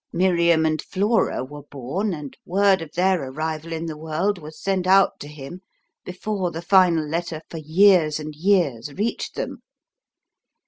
Miriam and Flora were born, and word of their arrival in the world was sent out to him before the final letter for years and years reached them.